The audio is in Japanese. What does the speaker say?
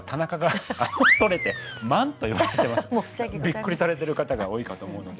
びっくりされてる方が多いかと思うので。